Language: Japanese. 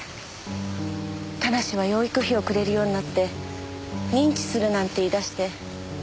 田無は養育費をくれるようになって認知するなんて言い出して。